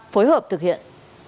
phối hợp thực hiện